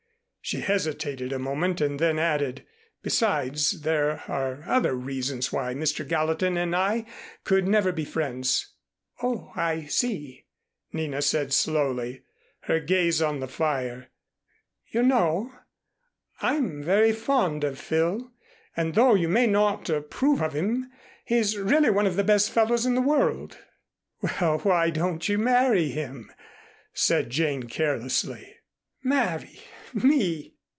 She hesitated a moment and then added, "Besides, there are other reasons why Mr. Gallatin and I could never be friends." "Oh, I see," Nina said slowly, her gaze on the fire. "You know, I'm very fond of Phil, and though you may not approve of him, he's really one of the best fellows in the world." "Well, why don't you marry him?" said Jane carelessly. "Marry! Me!"